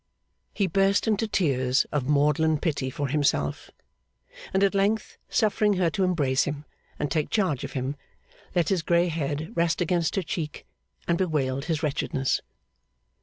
He burst into tears of maudlin pity for himself, and at length suffering her to embrace him and take charge of him, let his grey head rest against her cheek, and bewailed his wretchedness.